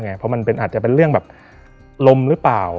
เพราะมันอาจจะเป็นเรื่องแบบลมหรือเปล่า